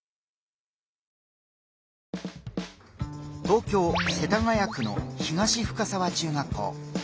東京・世田谷区の東深沢中学校。